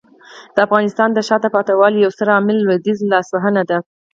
د افغانستان د شاته پاتې والي یو ستر عامل لویدیځي لاسوهنې دي.